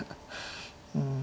うん。